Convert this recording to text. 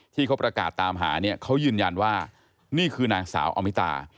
ที่เขาประกาศตามหาเนี่ยเขายืนยันว่านี่คือนางสาวอมิตา